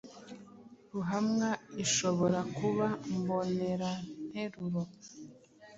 Ruhamwa ishobora kuba “mboneranteruro,